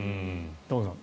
玉川さん